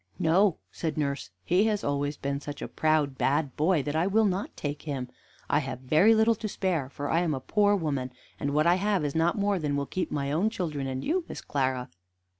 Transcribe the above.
"No," said nurse; "he has always been such a proud bad boy that I will not take him. I have very little to spare, for I am a poor woman, and what I have is not more than will keep my own children and you, Miss Clara."